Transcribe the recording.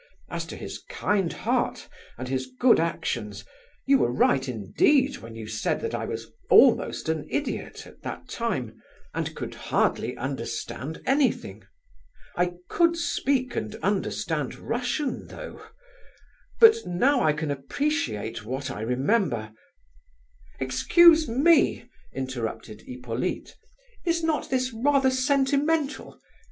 As to his kind heart and his good actions, you were right indeed when you said that I was almost an idiot at that time, and could hardly understand anything—(I could speak and understand Russian, though),—but now I can appreciate what I remember—" "Excuse me," interrupted Hippolyte, "is not this rather sentimental?